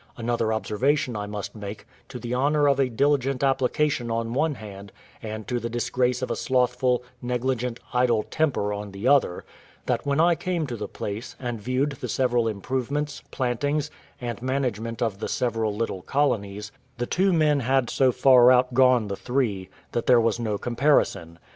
Another observation I must make, to the honour of a diligent application on one hand, and to the disgrace of a slothful, negligent, idle temper on the other, that when I came to the place, and viewed the several improvements, plantings, and management of the several little colonies, the two men had so far out gone the three, that there was no comparison.